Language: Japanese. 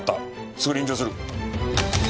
すぐ臨場する。